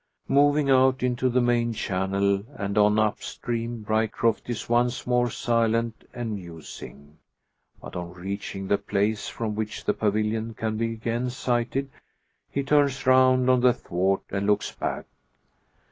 Moving out into the main channel and on up stream, Ryecroft is once more silent and musing. But on reaching the place from which the pavilion can be again sighted, he turns round on the thwart and looks back.